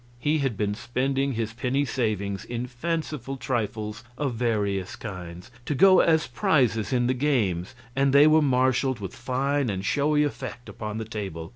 He had been spending his penny savings in fanciful trifles of various kinds, to go as prizes in the games, and they were marshaled with fine and showy effect upon the table.